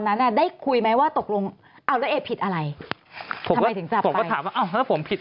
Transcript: นั้นได้คุยไหมว่าตกลงเอาเลยเอผิดอะไรผมถามว่าผมผิด